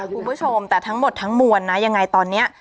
คุณผู้ชมแต่ทั้งหมดทั้งมวลนะยังไงตอนนี้